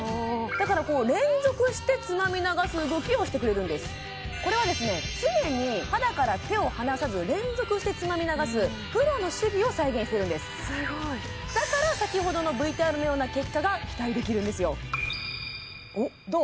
だからこう連続してつまみ流す動きをしてくれるんですこれはですね常に肌から手を離さず連続してつまみ流すプロの手技を再現してるんですすごいだから先ほどのＶＴＲのような結果が期待できるんですよどう？